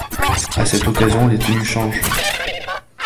À cette occasion, les tenues changent.